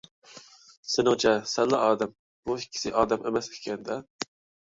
سېنىڭچە سەنلا ئادەم، بۇ ئىككىسى ئادەم ئەمەس ئىكەن - دە!